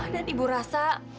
dan ibu rasa